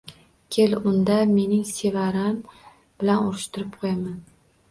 - Kel, unda mening Sevaram bilan urushtirib ko'ramiz..